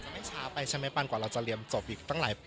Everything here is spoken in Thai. มันก็ไม่ช้าไปใช่มั้ยปัน